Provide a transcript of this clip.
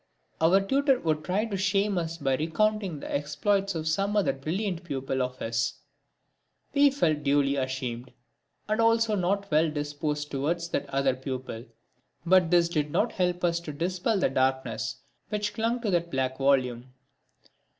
Our tutor would try to shame us by recounting the exploits of some other brilliant pupil of his. We felt duly ashamed, and also not well disposed towards that other pupil, but this did not help to dispel the darkness which clung to that black volume.